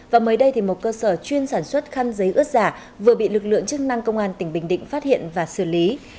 và mới đây thì một cơ sở chuyên sản xuất khăn giấy ướt giả vừa bị lực lượng chức năng công an tỉnh bình định phát hiện và xử lý